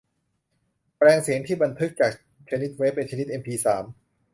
แปลงเสียงที่บันทึกจากชนิดเวฟเป็นชนิดเอ็มพีสาม